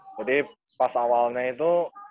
jadi pas awalnya itu